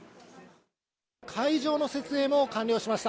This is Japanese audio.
会場の設営も完了しました。